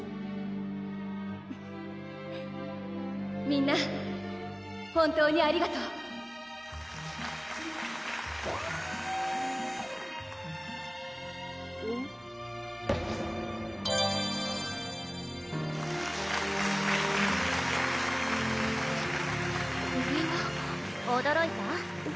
みんな本当にありがとうこれはおどろいた？